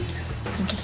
kita berdua dah